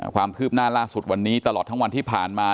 ความคืบหน้าล่าสุดวันนี้ตลอดทั้งวันที่ผ่านมา